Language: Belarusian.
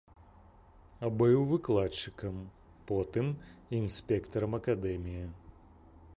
Быў выкладчыкам, потым інспектарам акадэміі.